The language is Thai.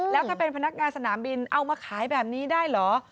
แล้วถ้าเป็นพนักงานสนามบินเอามาขายแบบนี้ได้เหรอ